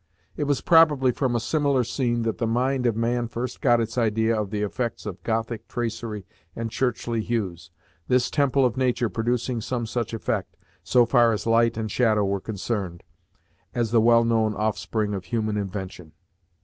It was probably from a similar scene that the mind of man first got its idea of the effects of gothic tracery and churchly hues, this temple of nature producing some such effect, so far as light and shadow were concerned, as the well known offspring of human invention.